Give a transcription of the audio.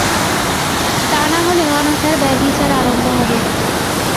তা না হলে অনাচার ব্যভিচার আরম্ভ হবে।